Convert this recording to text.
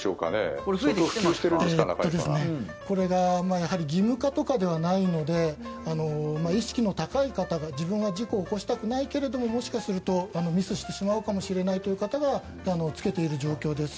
これは全国的にも義務化とかではないので意識の高い方自分は事故を起こしたくないけどミスしてしまうかもしれないという方がつけているという状況です。